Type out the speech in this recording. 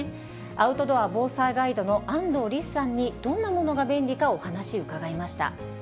アウトドア防災ガイドのあんどうりすさんに、どんなものが便利かをお話伺いました。